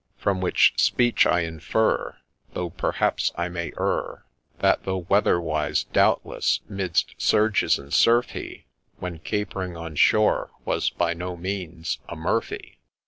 From which speech I infer, — Though perhaps I may err — That, though weatherwise, doubtless, midst surges and surf, he When ' capering on shore ' was by no means a Murphy.